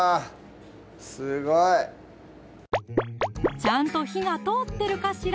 すごいちゃんと火が通ってるかしら？